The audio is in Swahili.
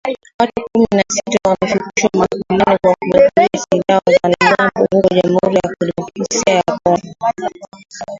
Watu kumi na sita wamefikishwa mahakamani kwa kuwauzia silaha wanamgambo huko jamuhuri ya kidemokrasia ya kongo